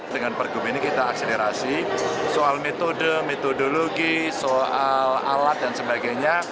dengan pergub ini kita akselerasi soal metode metodologi soal alat dan sebagainya